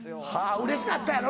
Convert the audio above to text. うれしかったやろ？